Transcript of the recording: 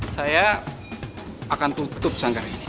saya akan tutup sanggar ini